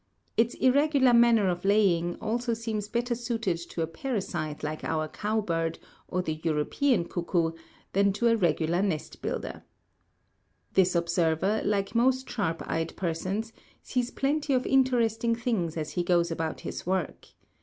Its irregular manner of laying also seems better suited to a parasite like our cow bird, or the European cuckoo, than to a regular nest builder. This observer, like most sharp eyed persons, sees plenty of interesting things as he goes about his work.